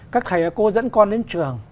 các thầy cô dẫn con đến trường